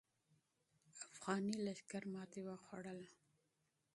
افغاني لښکر ماتې خوړله.